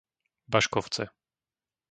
Baškovce